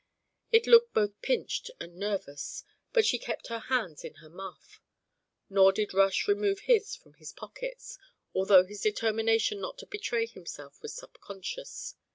It looked both pinched and nervous, but she kept her hands in her muff. Nor did Rush remove his from his pockets, although his determination not to betray himself was subconscious.